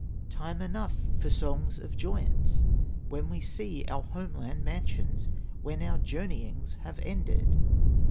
Time enough for songs of joyance When we see our home land mansions, When our journeyings have ended!"